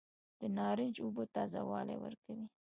د نارنج اوبه تازه والی ورکوي.